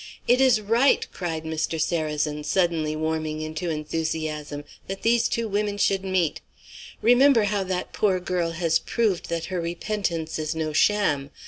It is right," cried Mr. Sarrazin, suddenly warming into enthusiasm, "that these two women should meet. Remember how that poor girl has proved that her repentance is no sham.